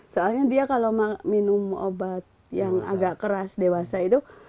soalnya dia kalau minum obat yang agak keras dewasa itu